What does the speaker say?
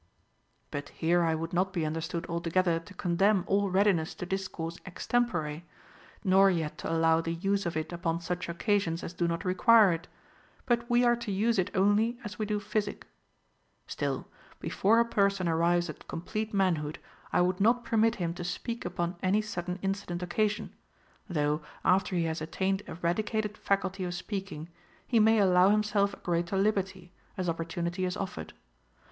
* But here I would not be understood altogether to condemn all readi ness to discourse extempore, nor yet to allow the use of it upon such occasions as do not require it ; but we are to use it only as we do physic. Still, before a person arrives at complete manhood, I would not permit him to speak upon any sudden incident occasion ; though, after he has attained a radicated faculty of speaking, he may allow him self a greater liberty, as opportunity is offered.